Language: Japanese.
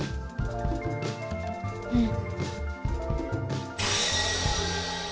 うん。